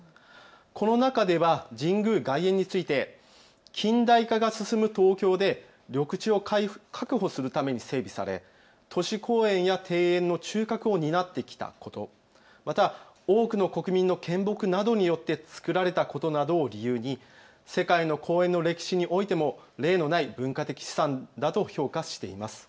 この中では神宮外苑について近代化が進む東京で緑地を確保するために整備され都市公園や庭園の中核を担ってきたこと、また多くの国民の献木などによって作られたことなどを理由に世界の公園の歴史においても例のない文化的資産だと評価しています。